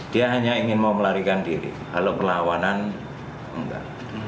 dia hanya ingin mau melarikan diri kalau perlawanan enggak